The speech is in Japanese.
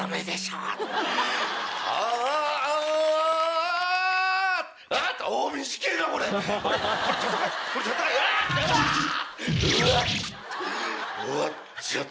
うわっ‼